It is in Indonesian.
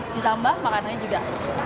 ditambah makanannya juga